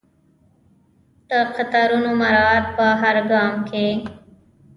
د قطارونو مراعات په هر ګام کې.